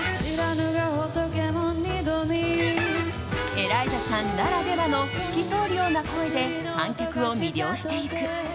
エライザさんならではの透き通るような声で観客を魅了していく。